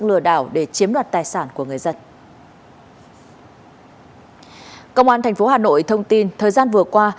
lừa đảo để chiếm đoạt tài sản của người dân công an thành phố hà nội thông tin thời gian vừa qua